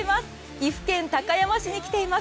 岐阜県高山市に来ています。